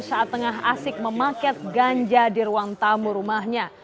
saat tengah asik memaket ganja di ruang tamu rumahnya